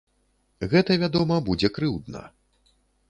Гэта, вядома, будзе крыўдна.